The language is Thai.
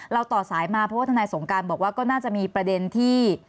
ต่อสายมาเพราะว่าทนายสงการบอกว่าก็น่าจะมีประเด็นที่